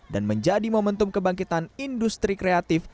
dan menjadi momentum kebangkitan industri kreatif